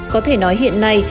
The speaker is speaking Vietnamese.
có thể nói hiện nay